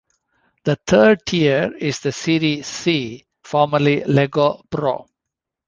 The third tier is the Serie C, formerly Lega Pro.